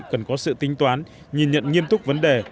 cần có sự tính toán nhìn nhận nghiêm túc vấn đề